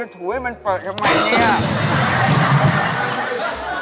อืมอย่าถูกให้มันเปิดอย่างน้อยนี่